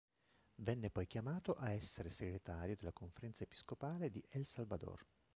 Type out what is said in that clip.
Venne poi chiamato a essere segretario della Conferenza episcopale di El Salvador.